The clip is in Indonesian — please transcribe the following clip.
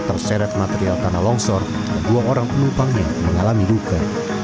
biar terseret material tanah longsor dua orang penumpangnya mengalami duka